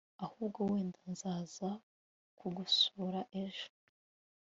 ahubwo wenda nazaza kugusura ejo